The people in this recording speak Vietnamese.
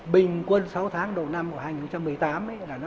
bình quân sáu tháng đầu năm của hai nghìn một mươi tám